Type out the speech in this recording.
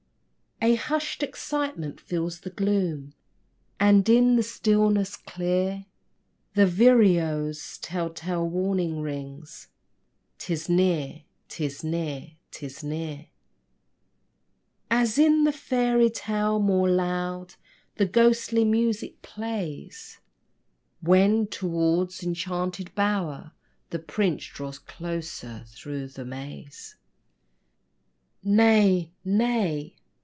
A hushed excitement fills the gloom, And, in the stillness, clear The vireo's tell tale warning rings: "'Tis near 'tis near 'tis near!" As, in the fairy tale, more loud The ghostly music plays When, toward the enchanted bower, the prince Draws closer through the maze. Nay nay.